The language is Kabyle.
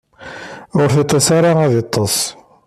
Ur tiṭ-is ara ad iṭṭes.